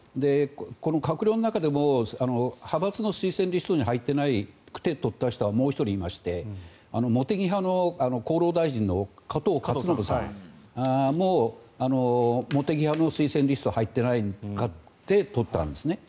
この閣僚の中でも派閥の推薦リストに入ってなくて取った人は、もう１人いまして茂木派の厚労大臣の加藤勝信さんも茂木派の推薦リストに入ってなくて、取ったんですね。